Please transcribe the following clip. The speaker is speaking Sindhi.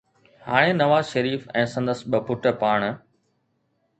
هاڻي نواز شريف ۽ سندس ٻه پٽ پاڻ